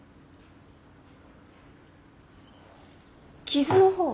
傷の方は？